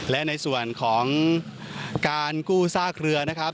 และในส่วนของการกู้ซากเรือนะครับ